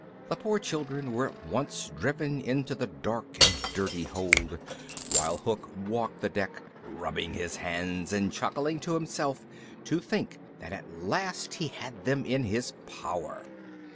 The poor children were at once driven into the dark and dirty hold, while Hook walked the deck, rubbing his hands and chuckling to himself to think that at last he had them in his power.